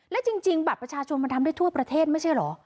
และจริงบัตรประชาชนมันทำได้ทั่วประเทศไม่ใช่เหรอ